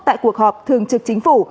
tại cuộc họp thường trực chính phủ